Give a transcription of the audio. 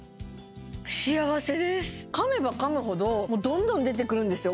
幸せです噛めば噛むほどもうどんどん出てくるんですよ